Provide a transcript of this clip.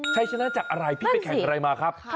ใช้ชนะจากอะไรพี่ไปแข่งอะไรมาครับ